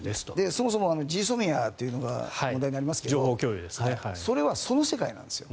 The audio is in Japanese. そもそも、ＧＳＯＭＩＡというのが問題になりますがそれはその世界なんですよ。